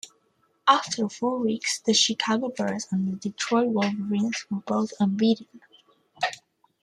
After four weeks, the Chicago Bears and the Detroit Wolverines were both unbeaten.